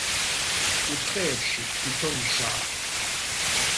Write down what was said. კუთხეებში თითო ნიშაა.